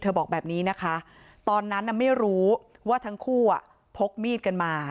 บอกแบบนี้นะคะตอนนั้นไม่รู้ว่าทั้งคู่พกมีดกันมา